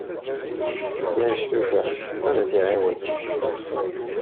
Ma yestufa, ad t-iɛawen.